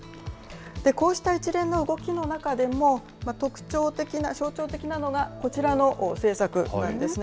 こうした一連の動きの中でも、特徴的な、象徴的なのが、こちらの政策なんですね。